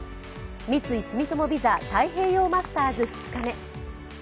三井住友ＶＩＳＡ太平洋マスターズ、２日目。